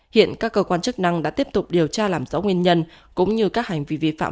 hiện các cơ quan chức năng đã tiếp tục điều tra làm rõ nguyên nhân cũng như các hành vi vi phạm